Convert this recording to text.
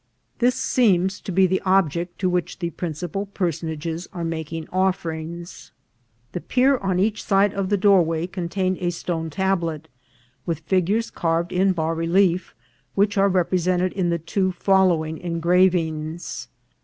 This seems to be the object to which the principal personages are making offerings. The pier on each side of the doorway contained a stone tablet, with figures carved in bas relief, which are represented in the two following engravings.